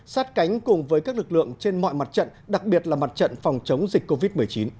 sát cánh cùng với các lực lượng trên mọi mặt trận đặc biệt là mặt trận phòng chống dịch covid một mươi chín